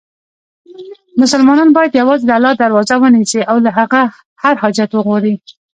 مسلمان باید یووازې د الله دروازه ونیسي، او له هغه هر حاجت وغواړي.